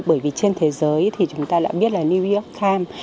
bởi vì trên thế giới thì chúng ta đã biết là new york times